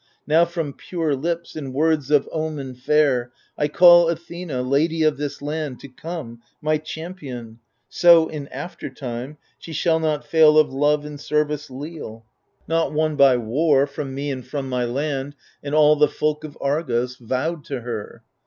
Now from pure lips, in words of omen fair, I call Athena, lady of this land. To come, my champion : so, in aftertime. She shall not fail of love and service leal, ISO THE FURIES Not won by war, from me and from my land And all the folk of Argos, vowed to her.